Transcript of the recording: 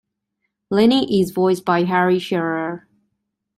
Lenny is voiced by Harry Shearer.